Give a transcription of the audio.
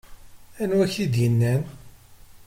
Anwa i ak-t-id-yennan?